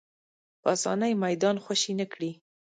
په اسانۍ میدان خوشې نه کړي